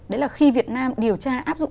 đấy là khi việt nam điều tra áp dụng